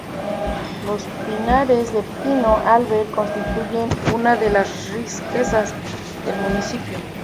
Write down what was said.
Los pinares de pino albar constituyen una de las riquezas del municipio.